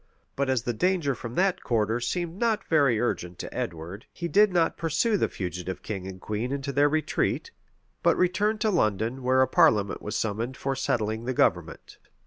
[*] But as the danger from that quarter seemed not very urgent to Edward, he did not pursue the fugitive king and queen into their retreat; but returned to London, where a parliament was summoned for settling the government.